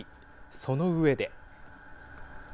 その上で。